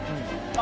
あ